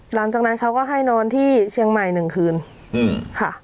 หลังจากนั้นเขาก็ให้นอนที่เชียงใหม่๑คืนค่ะ